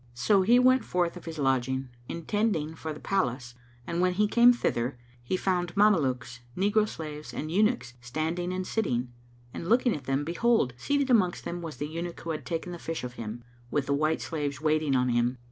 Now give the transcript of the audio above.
So he went forth of his lodging, intending for the palace, and when he came thither, he found Mamelukes, negro slaves and eunuchs standing and sitting; and looking at them, behold, seated amongst them was the Eunuch who had taken the fish of him, with the white slaves waiting on him.